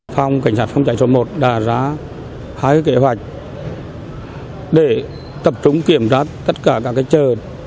phòng cảnh sát phòng cháy số một đã ra hai kế hoạch để tập trung kiểm tra tất cả các chợ